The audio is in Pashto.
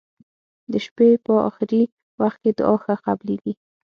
د شپي په اخرې وخت کې دعا ښه قبلیږی.